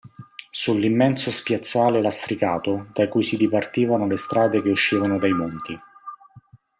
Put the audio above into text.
Sull'immenso spiazzale lastricato da cui si dipartivano le strade che uscivano dai Monti.